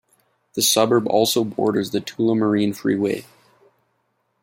The suburb also borders the Tullamarine Freeway.